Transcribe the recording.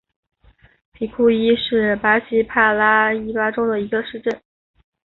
皮库伊是巴西帕拉伊巴州的一个市镇。